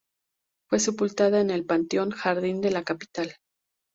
Fue sepultada en el Panteón Jardín de la capital.